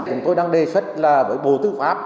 chúng tôi đang đề xuất với bộ tư pháp